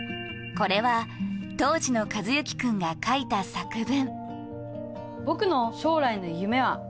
これは当時の寿志君が書いた作文。